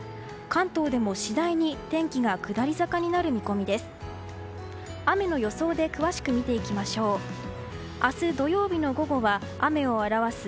関東でも次第に天気が下り坂になる見込みです。